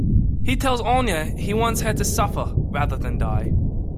He tells Anya he wants her to suffer rather than die.